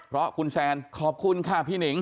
เพราะคุณแซนขอบคุณค่ะพี่หนิง